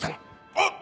「あっ！